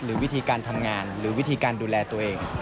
วิธีการทำงานหรือวิธีการดูแลตัวเอง